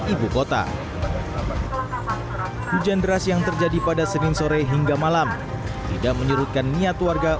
ibu kota hujan deras yang terjadi pada senin sore hingga malam tidak menyerutkan niat warga